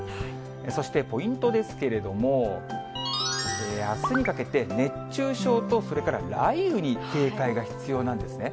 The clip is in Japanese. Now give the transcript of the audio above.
そしてポイントですけれども、あすにかけて、熱中症とそれから雷雨に警戒が必要なんですね。